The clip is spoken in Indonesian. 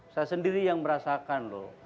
saya sendiri yang merasakan loh